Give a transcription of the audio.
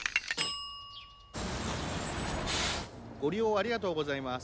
⁉ご利用ありがとうございます。